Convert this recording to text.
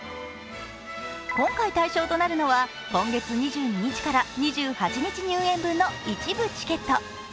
今回、対象となるのは今月２２日から２８日入園分の一部チケット。